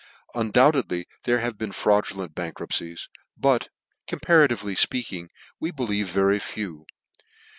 Undoubtedly there have been fraudulent bankruptcies ; but,' compara tively fpeaking, we believe very few.